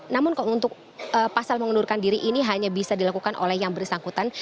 namun untuk pasal mengundurkan diri ini hanya bisa dilakukan oleh yang bersangkutan